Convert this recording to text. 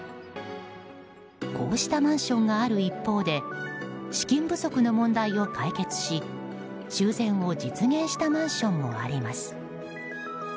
こうしたマンションがある一方で資金不足の問題を解決し修繕を実現したマンションもあります。